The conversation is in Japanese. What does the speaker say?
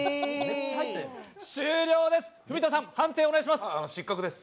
終了です。